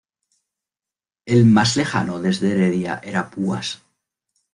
El más lejano desde Heredia era Púas.